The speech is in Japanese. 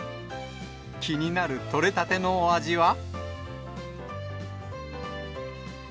気になる取れたてのお味は。